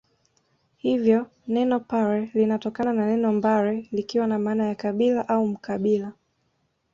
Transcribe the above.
Hivyo neno Pare linatokana na neno mbare likiwa na maana ya kabila au Mkabila